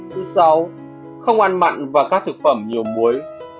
thứ sáu không ăn mặn và các thực phẩm nhiều muối